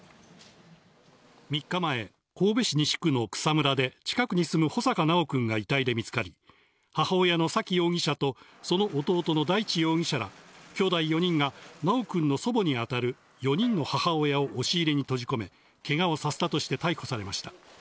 ３日前、神戸市西区の草むらで近くに住む穂坂修くんが遺体で見つかり、母親の沙喜容疑者とその弟の大地容疑者ら兄弟４人が修君の祖母にあたる４人の母親を押入れに閉じ込め、けがをさせたとして逮捕されました。